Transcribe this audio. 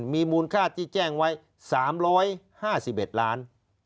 มีมูลค่าที่แจ้งไว้๓๕๑ล้าน